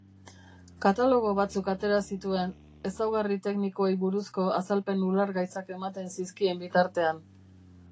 Katalogo batzuk atera zituen, ezaugarri teknikoei buruzko azalpen ulergaitzak ematen zizkien bitartean.